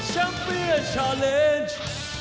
ชัมเบียร์ชาเลนจ์